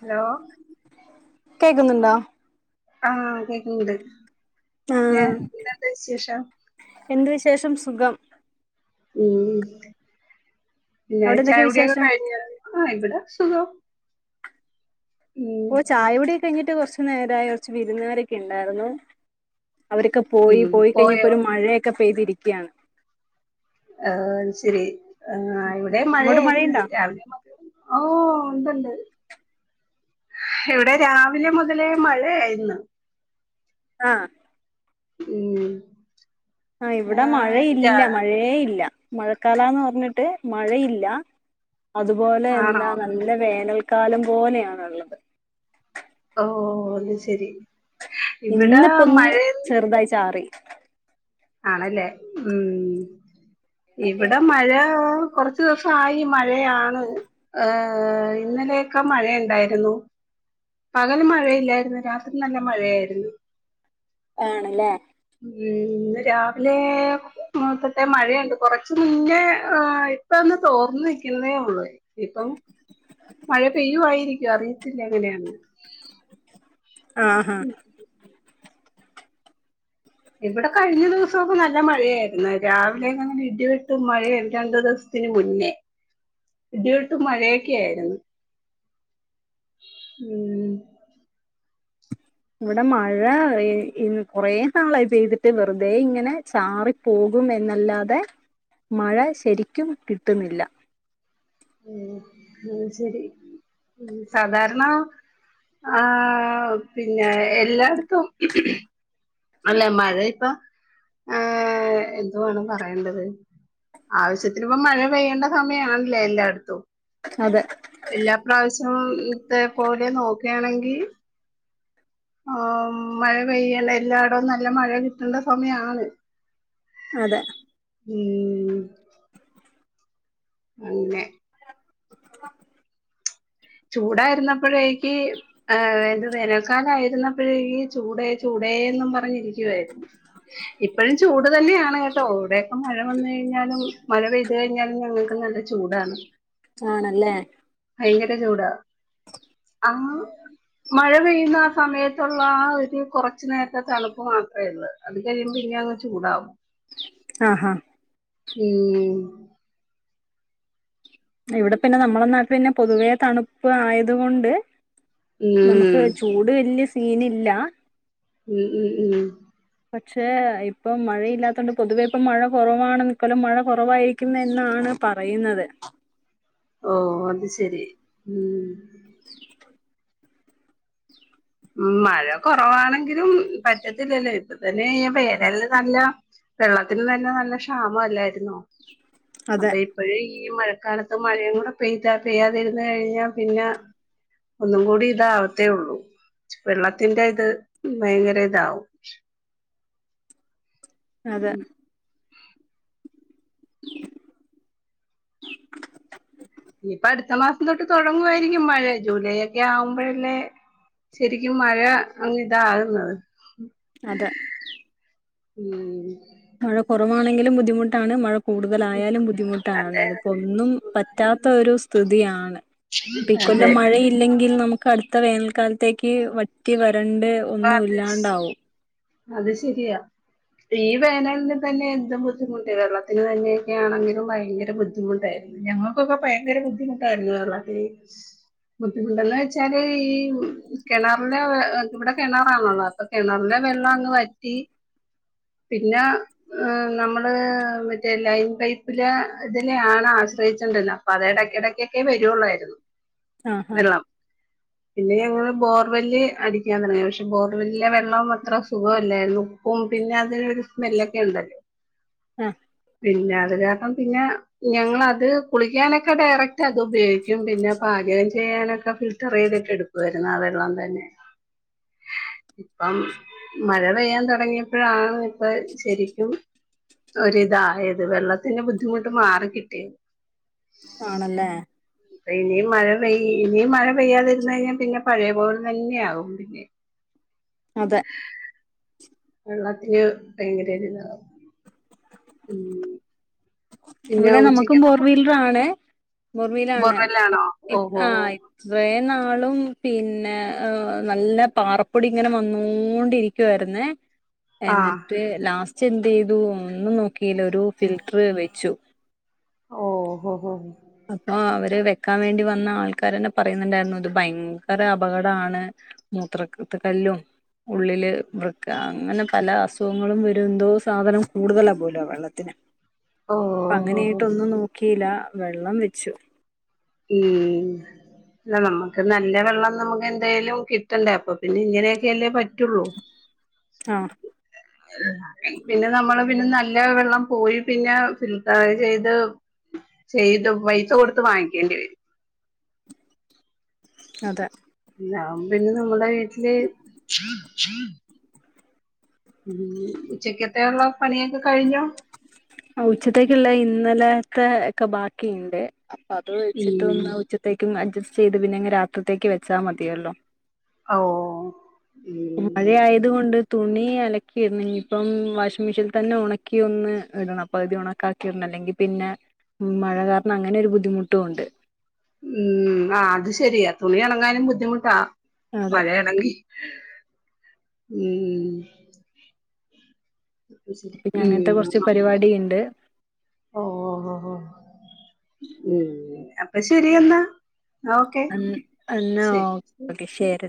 Hello കേക്കുന്നുണ്ടോ ആഹ് കേക്ക്ന്ന്ണ്ട് പിന്നെ ആഹ് എന്ത്‌ണ്ട് വിശേഷം എന്ത് വിശേഷം സുഖം ഉം പിന്നെ അവിടെ ചായ എന്തൊക്കെ കുടിയൊക്കെ വിശേഷം കഴിഞ്ഞോ ആഹ് ഇവടെ സുഖം ഉം ഓ ചായയുടിയൊക്കെ കഴിഞ്ഞിട്ട് കൊർച്ച് നേരായി കൊർച്ച് വിരുന്നാരൊക്കെ ണ്ടാര്ന്നു അവരൊക്കെ പോയി ഉം പോയി കഴിഞ്ഞപ്പോ പോയോ ഒരു മഴയൊക്കെ പെയ്തിരിക്ക്യാണ് ആ അത് ശെരി ആ ഇവടേം അങ്ങോട്ട് മഴയായ്ര്ന്ന് മഴയുണ്ടോ രാവിലെ മ ഓ ഉണ്ട് ണ്ട് ഇവടെ രാവിലെ മുതലേ മഴേര്ന്നു ആഹ് ഉം ആ ഇവടെ ആഹ് രാ മഴയില്ല മഴയേ ഇല്ല മഴക്കാലാന്ന് പർഞ്ട്ട് മഴയില്ല അതുപോലെ ആണോ എന്താ നല്ല വേനൽക്കാലം പോലെയാണ്ള്ളത് ഓ അത് ശെരി ഇവടെ മഴേ ർതായി ചാറി ആണ് ല്ലേ ഉം ഇവടെ മഴ കൊർച്ച് ത്തൂസായി മഴയാണ് ഏ ഇന്നലെ ഒക്കെ മഴണ്ടായിരുന്നു പകല് മഴയില്ലാര്ന്ന് രാത്രി നല്ല മഴയായിര്ന്ന് ആണ് ല്ലേ ഉം ഇന്ന് രാവിലെ നോക്കട്ടെ മഴയൊണ്ട് കൊർച്ച് മുന്നേ ഇപ്പൊന്ന് തോർന്ന് നിക്ക്ന്നേ ഒള്ളു ഇപ്പം മഴ പെയ്യും വായിരിക്കും അറിയത്തില്ല എങ്ങനെയാന്ന് ആഹ ഇവടെ കഴിഞ്ഞ ദിവസൊക്കെ നല്ല മഴയായിരുന്നു രാവിലെ അങ്ങനെ ഇടിവെട്ടും മഴയും രണ്ടു ദിവസത്തിന് മുന്നേ ഇടി വെട്ടും മഴയൊക്കെ ആയിരുന്നു ഉം ഇവിടെ മഴ കൊറേ നാളായി പെയ്തിട്ട് വെറുതെ ഇങ്ങനെ ചാറി പോകും എന്നല്ലാതെ മഴ ശരിക്കും കിട്ടുന്നില്ല ഉം എന്നാ ശരി സാധാരണ ആഹ് പിന്നെ എല്ലായിടത്തും അല്ല മഴ ഇപ്പം ഏഹ് എന്തുവാണ് പറയണ്ടത് ആവശ്യത്തിന് ഇപ്പ മഴ പെയ്യേണ്ട സമയണല്ലേ എല്ലായിടത്തും അതെ എല്ലാ പ്രാവശ്യവും ത്തേ പോലെ നോക്കുക ആണെങ്കിൽ ആഹ് മഴ പെയ്യല്ലേ എല്ലായിടവും നല്ല മഴ കിട്ടേണ്ട സമയാണ് അതെ ഉം അങ്ങനെ ചൂടായിരുന്നപ്പൊഴേക്ക് ആഹ് ഇത് വേനൽക്കാലായിരിന്ന പ്പയീ ചൂടെ ചൂടെ ന്നും പറഞ്ഞ് ഇക്കുവായിരുന്നു ഇപ്പഴും ചൂട് തന്നെ ആണ് കേട്ടോ ഇവിടെ ഒക്കെ മഴ വന്നു കഴിഞ്ഞാലും മഴ പെയ് തു കഴിഞ്ഞാലും ഞങ്ങൾക്ക് നല്ല ചൂടാണ് ആണല്ലേ ഭയങ്കര ചൂടാ ആഹ് മഴ പെയ്യുന്ന ആ സമയത്തുള്ള ആ ഒരു കൊറച്ച് നേരത്തെ തണുപ്പ് മാത്രമേ ഒള്ള് അത് കഴിയുമ്പോ പിന്നെ അങ്ങ് ചൂടാവും ആഹ് ഹാ ഉം ഇവിടെ പിന്നെ നമ്മളെ നാട് പിന്നെ പൊതുവേ തണുപ്പ് ആയത് കൊണ്ട് നമുക്ക് ഉം ചൂ ചൂട് വെല്യ സീൻ ഇല്ല മ് ഉം ഉം പക്ഷേ ഇപ്പം മഴയില്ലാത്ത കൊണ്ട് പൊതുവെ ഇപ്പ മഴ കൊറവാണ് നിക്കൊല്ലം മഴ കൊറവായി ക്യുമെന്നാണ് പറയുന്നത് ഓ അത് ശരി ഉം [inaudible] ഉം മഴ കുറവാണെങ്കിലും പറ്റത്തില്ലല്ലോ ഇപ്പ തന്നെ വേനലിൽ നല്ല വെള്ളത്തിന് തന്നെ നല്ല ക്ഷാമല്ലായിരുന്നോ അതെ അപ്പൊ ഈ അപ്പോഴ്‌ ഈ മഴക്കാലത്ത് മഴയും കൂടെ പെയ്ത പെയ്യാതിരുന്ന് കഴിഞ്ഞാൽ പിന്നെ ഒന്നും കൂടി ഇതാവത്തോള്ളൂ വെള്ളത്തിന്റെ ഇത് ഭയങ്കര ഇതാവും അതെ [inaudible] ഇനിപ്പ അടുത്ത മാസം തൊട്ട് തോടുങ്ങായിരിക്കും മഴ ജൂലൈ ഒക്കെ ആവുമ്പോഴല്ലേ ശരിക്കും മഴ അങ്ങ് ഇതാകുന്നത് അതെ ഉം മഴ കുറവാണെങ്കിലും ബുദ്ധിമുട്ടാണ് മഴ കൂടുതലായാലും ബുദ്ധിമുട്ടാണ് അതെ അതിപ്പോ ഒന്നും പറ്റാത്ത ഒരു സ്ഥിതിയാണ് ഇപ്പ ഇ അതെ കൊല്ലം മഴയില്ലെങ്കിൽ നമുക്ക്ടു ത്ത വേനൽ ക്കാല്ത്തേക്ക് വറ്റി വരണ്ട് അപ്പൊ ഒന്നു അത് ഇല്ലാണ്ടാവും. അത് ശരിയാ. ഈ വേനല്ന് തന്നെ എന്തു ബുദ്ധിമുട്ട് വെള്ളത്തിന് തന്നെയെക്കൊയാണെങ്കിലും ഭയങ്കര ബു ദ്ധിമുട്ടായിര്ന്നു ഞങ്ങൾക്കൊക്കെ പയങ്കര ബുദ്ധിമുട്ടായിര്ന്നു [unintelligible] ബുദ്ധിമുട്ടന്ന് വെച്ചാല് ഈ കെണറ്ലെ ഇവിടെ കെണറാണല്ലോ അപ്പൊ കെണറ്ലെ. വെള്ളങ്ങ് വറ്റി. പിന്നെ. നമ്മള് മറ്റേ ലൈൻ പൈപ്പിലെ ഇതിനെയാണ് ആശ്രയിചോണ്ടിര്ന്ന അതെ എടക്ക എടക്കൊക്കെ വരോള്ളായിര്ന്നു ആഹ് ആഹ് വെള്ളം. പിന്നെ ഞങ്ങൾ ബോർവെല്ല് അടിക്കാൻ തുടങ്ങി പക്ഷേ ബോർവെല്ലിലെ വെള്ളം അത്ര സുഖല്ലായിര്ന്നു. ഉം പിന്നെ അതിനൊരു സ്മെല്ലൊക്കെ ഇണ്ട്. ആഹ്. പിന്നെ അത് കാര്ണം പിന്നെ. ഞങ്ങളത് കുളിക്കാനൊക്കെ ഡയറക്റ്റ് അത് ഉപയോഗിക്കും പിന്നെ പാചകം ചെയ്യാനൊക്കെ ഫിൽട്ടർയ്തിട്ട് എടു വരുന്ന ആഹ് വെള്ളം തന്നെ. ഇപ്പം മഴ പെയ്യാൻ തൊടങ്ങിയപ്പഴാണ്. ഇപ്പ ശരിക്കും ഒരിതായത് വെള്ളത്തിന് ബുദ്ധിമുട്ട് മാറി ക്കിട്ടി. ആണല്ലേ. ഇനിയും മഴ പെയ്യ് ഇനിയും മഴ പെയ്യാതിര്ന്ന് കഴിഞ്ഞാൽ പിന്നെ പഴയ പോലെ തന്നെ ആകും പിന്നെ. അതെ. വെള്ളത്തിന് ഭയങ്കര ഒരുതാ ഉം. പിന്നെ ഇവിടെ നമുക്കും ഉച്ചക്കത്തെ ഫു ഫോർവീല്റാണ് ഫോർവീലാണ് ബൊറല്ലാണോ ഓഹോ ആ ഇത്രേ നാളും പിന്നെ ആ നല്ല പാറപ്പൊടി ഇങ്ങനെ വന്നോണ്ടിരി ക്ക് വായ്ര്ന്നേ. ആഹ് എന്നിട്ട് ലാസ്റ്റ് എന്ത് ചെയ്തു ഒന്നും നോക്കീല ഒരു ഫിൽട്ട്ർ വെച്ചു. ഓ ഹോ ഹോ. ആഹ് അവര് വെക്കാൻ വേണ്ടി വന്ന ആൾക്കാരന്നെ പറയുന്ന്ണ്ടായിരുന്നു ഇത് ഭയങ്കര അപകടാണ്. മൂത്ര ത്ത് കല്ലും. ഉള്ളില് വൃക്ക അങ്ങനെ പല അസുഖങ്ങളും വരും എന്തോ സാധനം കൂടുതലാ പോലോ വെള്ളത്തിന്. ഓഹോ അങ്ങനെയയിട്ട് ഒന്നും നോക്കിയില്ല വെള്ളം വെച്ചു. ഉം. അല്ല നമുക്ക് നല്ല വെള്ളം നമുക്ക് എന്തേലും കിട്ടണ്ടേ അപ്പൊ പിന്നെ ഇങ്ങനെയൊക്കെ അല്ലേ പറ്റുള്ളൂ. ആഹ്. പിന്നെ നമ്മള് പിന്നെ നല്ല വെള്ളം പോയി പിന്നെ ഫിൽട്ടർ ചെയ്ത്. ചെയ്ത് പൈസ കൊട്ത്തു വാങ്ങിക്കേണ്ടി വരും. അതെ. [unintelligible] പിന്നെ നമ്മുടെ വീട്ടില്. ഉം ഉച്ചക്കത്തെ ഉള്ള പണിയൊക്ക കഴിഞ്ഞോ? ആഹ് ഉച്ചത്തേക്ക്ള്ള ഇന്നലത്തെ ഒക്കെ ബാക്കിയ്ണ്ട്. അപ്പൊ അത് വെച്ചിട്ട് ഉം ഒന്ന് ഉച്ചത്തേക്കും അഡ്ജസ്റ്റ് ചെയ്ത് പിന്നെ [unintelligible] രാത്രിത്തേക്ക് വെച്ചാ മതിയല്ലോ. ഔ ഉം. അതു കൊണ്ട് തുണി അലക്കിയിര്ന്ന് ഇന്ന്ഞി ഇപ്പം വാഷിംഗ് മീഷീനിൽ തന്നെ ഉണക്കി ഒന്ന്. ഇടണം അപ്പൊ ഇത് ഉണക്കാക്കിയിടണം അല്ലെങ്കി പിന്നെ മഴ കാര്ണം അങ്ങനെ ഒരു ബുദ്ധിമുട്ടും ഉണ്ട്. ഉം ആഹ് അത് ശരിയാ തുണി ഇണങ്ങാനും ബുദ്ധിമുട്ടാ അതെ മഴയ [unintelligible] ങ്ങി. ഉം അത് ശരി പിന്നെ അങ്ങനത്തെ ഉം കുറച്ച് പരിപാടിണ്ട് ഓഹ് ഓഹ് ഉം അപ്പൊ ശരിയന്നാ ഓക്കെ എന്നാ ശരി ഓക്കെ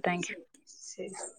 താങ്ക് യു. ശരി ശരി